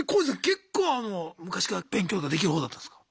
結構あの昔から勉強とかできるほうだったんすか？